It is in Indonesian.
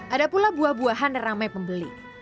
ada pula buah buahan yang ramai pembeli